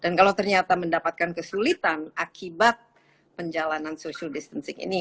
dan kalau ternyata mendapatkan kesulitan akibat penjalanan social distancing ini